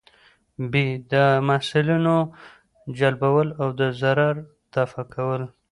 ب : د مصلحتونو جلبول او د ضرر دفعه کول